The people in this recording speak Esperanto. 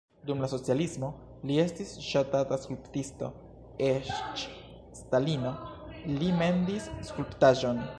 Dum la socialismo li estis ŝatata skulptisto, eĉ Stalino li mendis skulptaĵon.